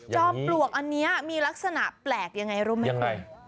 ปลวกอันนี้มีลักษณะแปลกยังไงรู้ไหมคุณ